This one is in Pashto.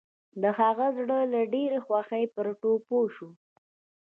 د هغه زړه له ډېرې خوښۍ پر ټوپو شو.